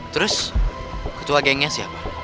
terus ketua gengnya siapa